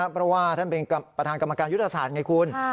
เพราะว่าท่านเป็นประธานกรรมการยุทธศาสตร์ไงคุณ